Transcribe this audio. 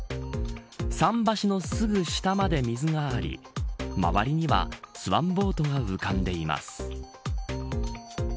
桟橋のすぐ下まで水があり周りには、スワンボートが浮かんでいます。